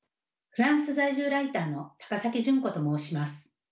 フランス在住ライターの崎順子と申します。